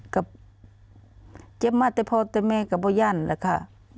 ก็เจ็บมาแต่พ่อแต่แม่ก็บ่ยั่นแหละค่ะ